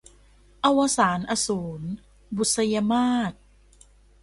อวสานอสูร - บุษยมาส